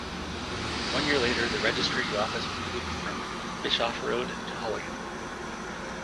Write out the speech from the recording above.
One year later, the registry office was moved from Bischofferode to Holungen.